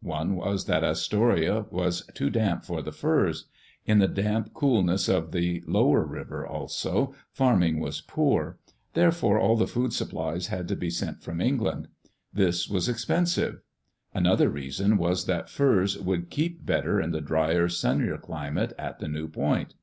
One was that Astoria was too damp for the furs. In the damp coolness of the lower river, also, farming was poor; therefore all the food supplies had to be sent from England. This was expensive. Another reason was that furs would keep better in the drier, sunnier climate at the new point.